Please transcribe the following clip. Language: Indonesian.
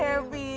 sehat dan happy